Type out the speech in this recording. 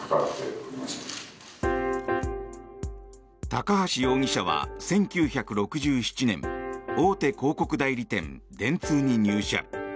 高橋容疑者は１９６７年大手広告代理店、電通に入社。